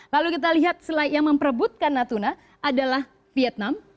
lalu kita lihat yang memperebutkan natuna adalah vietnam